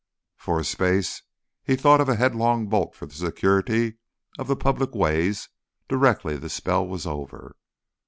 For a space he thought of a headlong bolt for the security of the public ways directly the spell was over.